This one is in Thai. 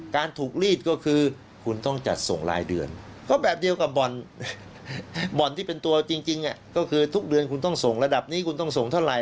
การถูกรีดก็คือคุณต้องจัดส่งรายเดือนก็แบบเดียวกับบ่อนที่เป็นตัวจริงก็คือทุกเดือนคุณต้องส่งระดับนี้คุณต้องส่งเท่าไห